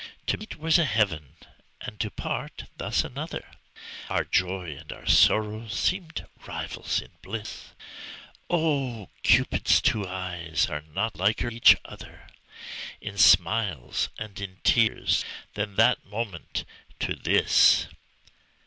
To meet was a heaven and to part thus another, Our joy and our sorrow seemed rivals in bliss; Oh! Cupid's two eyes are not liker each other In smiles and in tears than that moment to this.